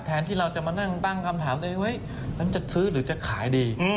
แทนที่เราจะมานั่งตั้งคำถามว่าจะซื้อหรือจะขายดี